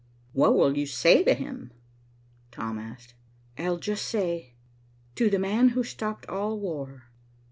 "What will you say to him?" Tom asked. "I'll just say, 'To the man who stopped all war.